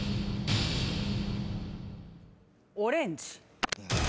オレンジ。